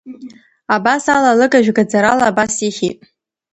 Абас ала, алыгажә гаӡарала абас ихьит.